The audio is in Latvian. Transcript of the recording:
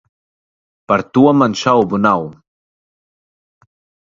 Par to man šaubu nav.